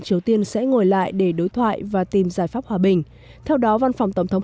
triều tiên sẽ ngồi lại để đối thoại và tìm giải pháp hòa bình theo đó văn phòng tổng thống